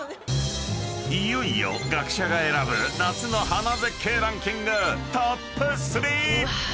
［いよいよ学者が選ぶ夏の花絶景ランキングトップ３！］